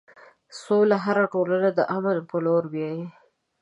سوله هره ټولنه د امن په لور بیایي.